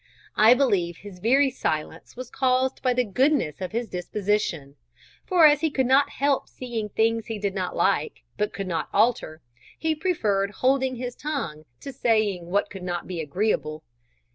I believe his very silence was caused by the goodness of his disposition; for as he could not help seeing many things he did not like, but could not alter, he preferred holding his tongue to saying what could not be agreeable.